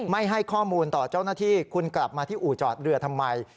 ไม่ให้ข้อมูลต่อเจ้าหน้าที่คุณกลับมาที่อู่จอดเรือทำไม